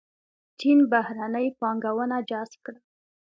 چین بهرنۍ پانګونه جذب کړه.